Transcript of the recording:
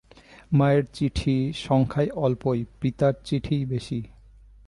মায়ের চিঠি সংখ্যায় অল্পই, পিতার চিঠিই বেশি।